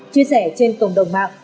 chia sẻ trên cộng đồng mạng